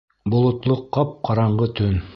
Болотло ҡап-ҡараңғы төн.